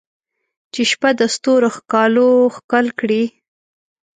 چې شپه د ستورو ښکالو ښکل کړي